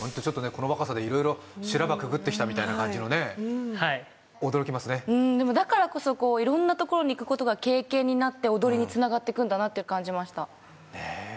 この若さでいろいろ修羅場くぐってきたみたいな感じのね驚きますねだからこそいろんな所に行くことが経験になって踊りにつながっていくんだなって感じました